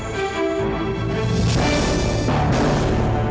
jangan lupa untuk menghukumku